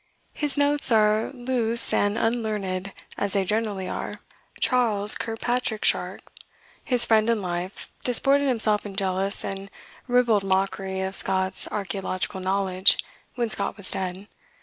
"His notes are loose and unlearned, as they generally are." Charles Kirkpatrick Sharpe, his friend in life, disported himself in jealous and ribald mockery of Scott's archaeological knowledge, when Scott was dead.